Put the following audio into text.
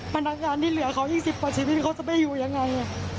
พนักงานที่เหลือเขาอีก๑๐ปีกว่าชีวิตเขาจะไปอยู่ยังไงอ่ะ